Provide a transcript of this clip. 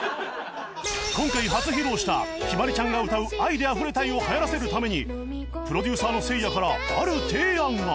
今回初披露した陽鞠ちゃんが歌う『愛で溢れたい』を流行らせるためにプロデューサーのせいやからある提案が